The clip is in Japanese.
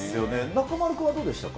中丸君はどうでしたか？